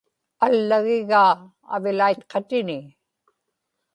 allagigaa avilaitqatini